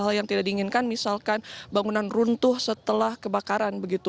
hal yang tidak diinginkan misalkan bangunan runtuh setelah kebakaran begitu